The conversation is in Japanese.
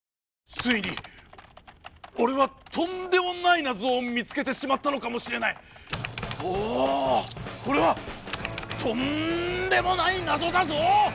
ついに俺はとんでもない謎を見つけてしまったのかもしれないおおこれはとんでもない謎だぞ！